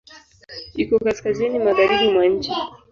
Iko kaskazini magharibi mwa nchi.